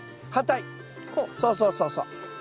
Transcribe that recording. そうそうそうそう。